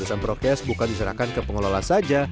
lulusan prokes bukan diserahkan ke pengelola saja